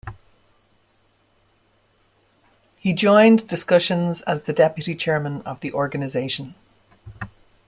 He joined discussions as the Deputy Chairman of the organization.